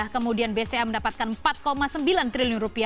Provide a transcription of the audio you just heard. kemudian bca mendapatkan rp empat sembilan triliun